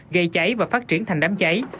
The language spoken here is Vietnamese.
gây cháy và phát triển thành đám cháy